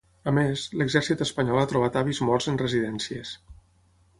A més, l’exèrcit espanyol ha trobat avis morts en residències.